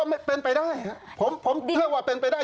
ก็เป็นไปได้ผมเลือกว่าเป็นไปได้